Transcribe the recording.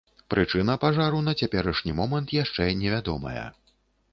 Прычына пажару на цяперашні момант яшчэ не вядомая.